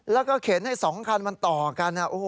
แล้วก็เข็นให้๒คันมันต่อกัน